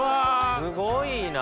すごいな。